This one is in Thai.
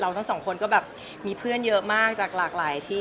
ทั้งสองคนก็แบบมีเพื่อนเยอะมากจากหลากหลายที่